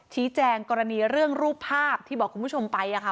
ชี้แจงกรณีเรื่องรูปภาพที่บอกคุณผู้ชมไป